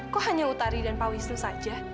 kok hanya utari dan pak wisnu saja